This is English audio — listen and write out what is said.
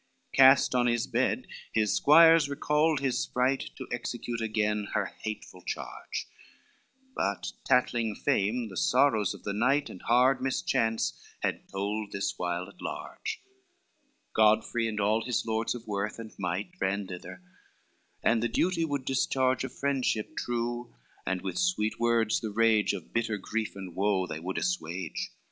LXXXIV Cast on his bed his squires recalled his sprite To execute again her hateful charge, But tattling fame the sorrows of the knight And hard mischance had told this while at large: Godfrey and all his lords of worth and might, Ran thither, and the duty would discharge Of friendship true, and with sweet words the rage Of bitter grief and woe they would assuage.